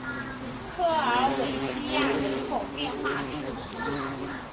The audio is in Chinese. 科尔韦西亚人口变化图示